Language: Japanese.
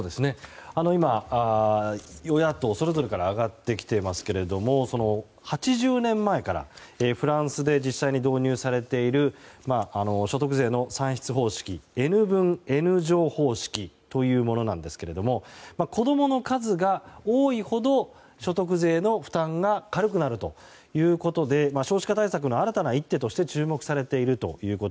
今、与野党それぞれから挙がってきていますけども８０年前からフランスで実際に導入されている所得税の算出方式Ｎ分Ｎ乗方式というものですが子供の数が多いほど所得税の負担が軽くなるということで少子化対策の新たな一手として注目されていると。